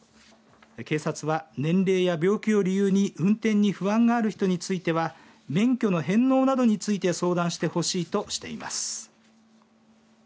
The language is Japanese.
警察は年齢や病気を理由に運転に不安がある人については免許の返納などについて相談してほしいとしています。